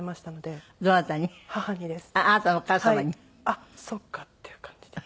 あっそっかっていう感じで。